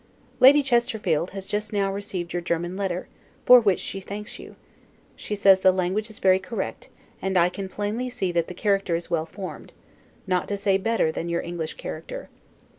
Lady Chesterfield has just now received your German letter, for which she thanks you; she says the language is very correct; and I can plainly see that the character is well formed, not to say better than your English character.